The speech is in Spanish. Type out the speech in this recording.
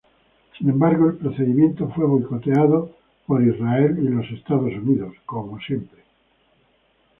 Sin embargo, el procedimiento fue boicoteado por Israel y los Estados Unidos.